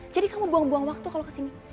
jadi kamu buang buang waktu kalau kesini